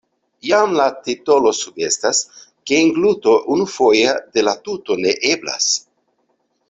Jam la titolo sugestas, ke engluto unufoja de la tuto ne eblas.